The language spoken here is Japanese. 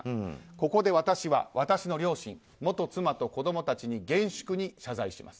ここで私は私の両親、元妻と子供たちに厳粛に謝罪します。